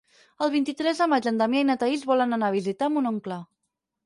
El vint-i-tres de maig en Damià i na Thaís volen anar a visitar mon oncle.